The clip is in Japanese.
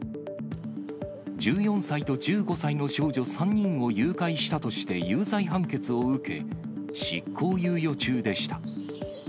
１４歳と１５歳の少女３人を誘拐したとして有罪判決を受け、執行猶予中でした。